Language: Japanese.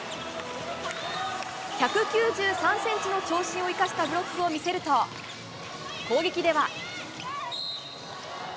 １９３ｃｍの長身を生かしたブロックを見せると攻撃では。